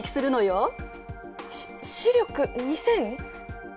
しっ視力２，０００！？